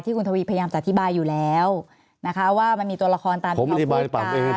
ที่คุณทวีพยายามจัดอธิบายอยู่แล้วนะคะว่ามันมีตัวละครตามคลิปกัน